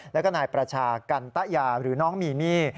แล้วก็นายประชากันตะยาหรือน้องมีมี่